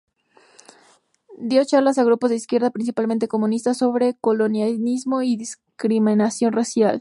Dio charlas a grupos de izquierda, principalmente comunistas, sobre colonialismo y discriminación racial.